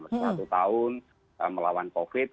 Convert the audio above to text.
satu tahun melawan covid